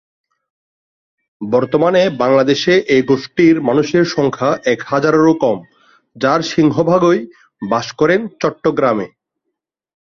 বর্তমানে বাংলাদেশে এ গোষ্ঠীর মানুষের সংখ্যা এক হাজারেরও কম, যার সিংহভাগই বাস করেন চট্টগ্রামে।